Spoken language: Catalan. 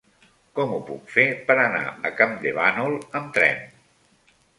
Com ho puc fer per anar a Campdevànol amb tren?